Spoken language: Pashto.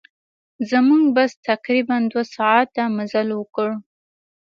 زموږ بس تقریباً دوه ساعته مزل وکړ.